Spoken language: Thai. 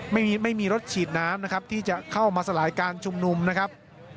ไม่มีไม่มีรถฉีดน้ำนะครับที่จะเข้ามาสลายการชุมนุมนะครับ